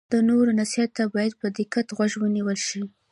د نورو نصیحت ته باید په دقت غوږ ونیول شي.